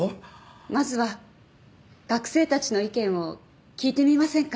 まずは学生たちの意見を聞いてみませんか？